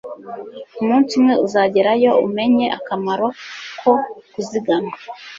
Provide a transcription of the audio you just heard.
umunsi umwe uzageraho umenye akamaro ko kuzigama